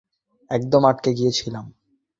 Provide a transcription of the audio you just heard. একদম আটকে গিয়েছিলাম।